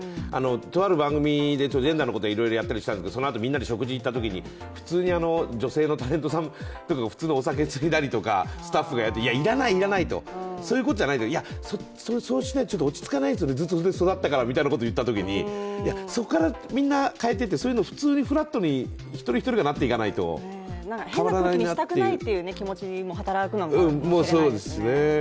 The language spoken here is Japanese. とある番組でジェンダーのことをいろいろやったりしたんだけどそのあとみんなで食事に行ったときに女性のタレントさんとかが普通にお酒をついだりとか、スタッフがいらない、いらないと、そういうことじゃないとそうしないと落ち着かないずっとそれで育ったからみたいなことを言ったときに、いや、そこからみんな変えていってそういうのフラットに一人一人がなっていかないと変わらないなって変な空気にしたくないという気持ちも働くのかもしれないですね。